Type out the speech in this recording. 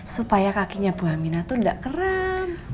supaya kakinya bu aminah tuh gak kerem